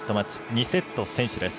２セット先取です。